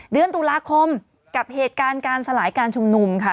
เดือนตุลาคมกับเหตุการณ์การสลายการชุมนุมค่ะ